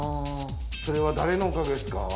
それはだれのおかげですか？